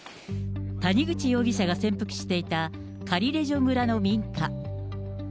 谷口容疑者が潜伏していたカリレジョ村の民家。